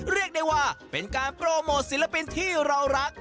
เรียกได้ว่าเป็นการโปรโมทศิลปินที่เรารัก